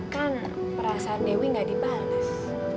kan perasaan dewi gak dibalas